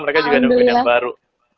mereka juga nungguin yang baru